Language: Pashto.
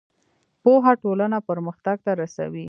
پوهه ټولنه پرمختګ ته رسوي.